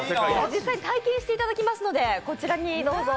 実際に体験していただきますのでこちらにどうぞ。